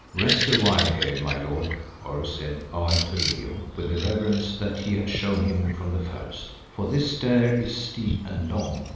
"Rest awhile here, my lord," Oros said, bowing to Leo with the reverence that he had shown him from the first, "for this stair is steep and long.